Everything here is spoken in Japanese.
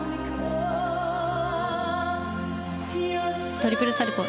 トリプルサルコウ。